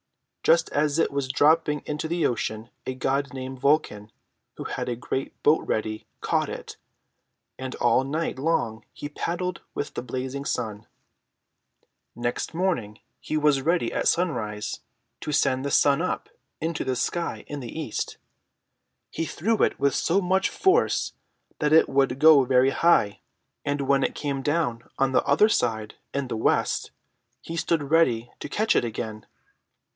Just as it was dropping into the ocean, a god named Vulcan, who had a great boat ready, caught it, and all night long he paddled with the blazing sun. Next morning he was ready at sunrise to send the sun up into the sky in the east. He threw it with so much force that it would go very high, and when it came down on the other side in the west, he stood ready to catch it again."